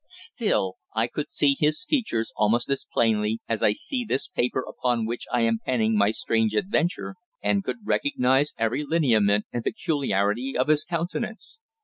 Still, I could see his features almost as plainly as I see this paper upon which I am penning my strange adventure, and could recognise every lineament and peculiarity of his countenance.